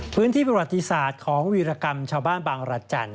พื้นที่ประวัติศาสตร์ของวีรกรรมชาวบ้านบางรจันทร์